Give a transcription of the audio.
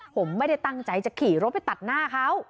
ผมไม่ได้ตั้งใจจะขี่รถไปตัดหน้าเขา